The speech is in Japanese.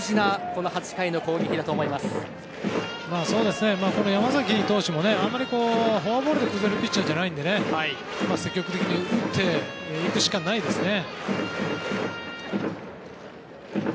この山崎投手もフォアボールで崩れるピッチャーじゃないので積極的に打っていくしかないですね。